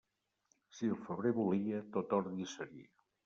Si el febrer volia, tot ordi seria.